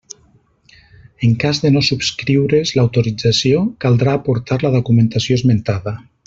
En cas de no subscriure's l'autorització, caldrà aportar la documentació esmentada.